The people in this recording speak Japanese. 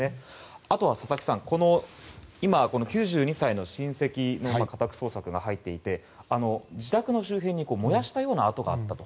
あとは佐々木さん、９２歳の親戚の家宅捜索が入っていて自宅の周辺に燃やしたような跡があったと。